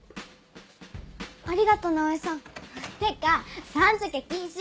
ありがとう直江さん。ってかさん付け禁止！